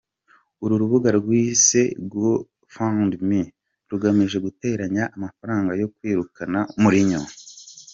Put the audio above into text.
uru rubuga rwise GoFundMe rugamije guteranya amafaranga yo kwirukana Mourinho.